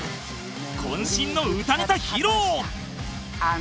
渾身の歌ネタ披露！